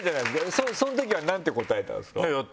そのときは何て答えたんですか？